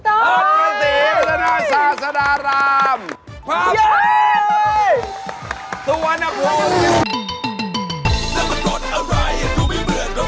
อัศวินศรีอัศวินศราอัศวินศราราม